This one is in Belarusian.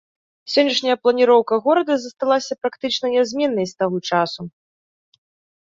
Сённяшняя планіроўка горада засталася практычна нязменнай з таго часу.